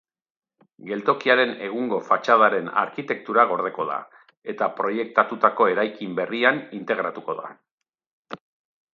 Geltokiaren egungo fatxadaren arkitektura gordeko da, eta proiektatutako eraikin berrian integratuko da.